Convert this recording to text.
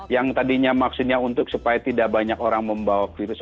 yang tadinya maksudnya untuk supaya tidak banyak orang membawa virus